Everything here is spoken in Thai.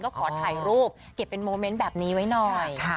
ก็ขอถ่ายรูปเก็บเป็นโมเมนต์แบบนี้ไว้หน่อย